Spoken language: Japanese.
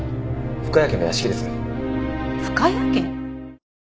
深谷家？